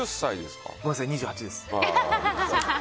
ごめんなさい、２８です。